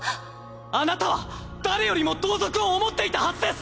あなたは誰よりも同族を思っていたはずです！